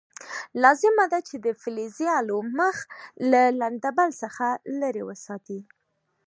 لازمه ده چې د فلزي الو مخ له لنده بل لرې وساتئ.